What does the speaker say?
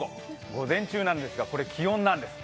午前中なんですが気温なんです。